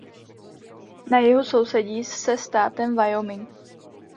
Na jihu sousedí se státem Wyoming.